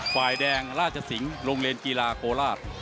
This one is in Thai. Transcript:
ฝ่ายแดงราชสิงห์โรงเรียนกีฬาโคราช